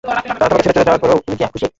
তারা তোমাকে ছেড়ে চলে যাবার পরও কি তুমি খুশি?